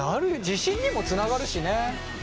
自信にもつながるしね。